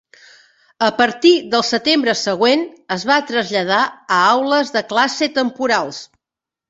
A partir del setembre següent, es va traslladar a aules de classe temporals.